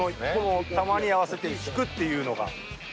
球に合わせて引くっていうのが。